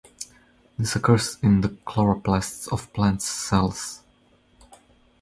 This occurs in the chloroplasts of plants cells.